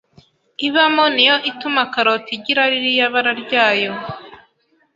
ibamo niyo ituma karoti igira ririya bara ryayo